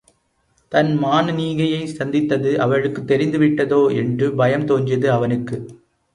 தான் மானனீகையைச் சந்தித்தது அவளுக்குத் தெரிந்துவிட்டதோ என்று பயம் தோன்றியது அவனுக்கு.